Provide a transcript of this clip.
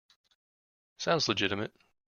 Sounds legitimate.